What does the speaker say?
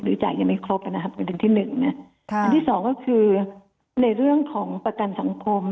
จ่ายยังไม่ครบนะครับประเด็นที่หนึ่งนะอันที่สองก็คือในเรื่องของประกันสังคม